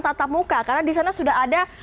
tatap muka karena di sana sudah ada